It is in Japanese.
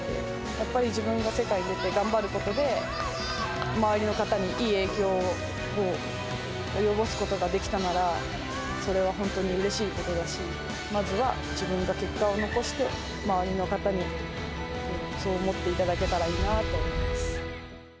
やっぱり自分が世界に出て頑張ることで、周りの方にいい影響を及ぼすことができたなら、それは本当にうれしいことだし、まずは自分が結果を残して、周りの方にそう思っていただけたらいいなと思います。